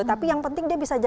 tapi yang penting dia bisa